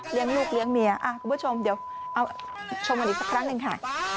ลูกเลี้ยงเมียคุณผู้ชมเดี๋ยวเอาชมกันอีกสักครั้งหนึ่งค่ะ